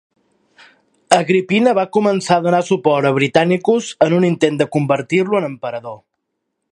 Agrippina va començar a donar suport a Britannicus en un intent de convertir-lo en emperador.